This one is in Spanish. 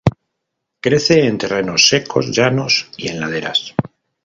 Crece en terrenos secos, llanos y en laderas.